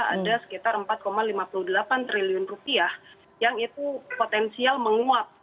ada sekitar empat lima puluh delapan triliun rupiah yang itu potensial menguap